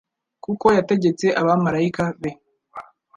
kuko yategetse abamalayika be